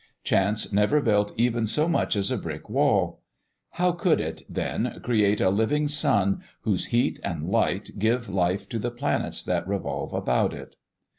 Chance never built even so much as a brick wall. How could it, then, create a living sun whose heat and light give life to the planets that revolve about it?